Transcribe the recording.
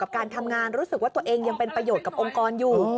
การทำงานรู้สึกว่าตัวเองยังเป็นประโยชน์กับองค์กรอยู่